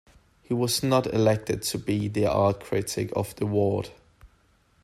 He was not elected to be the art critic of the ward.